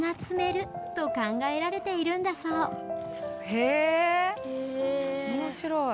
へえ面白い。